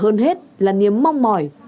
hơn hết là niềm mong mỏi